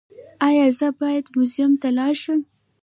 ایا زه باید موزیم ته لاړ شم؟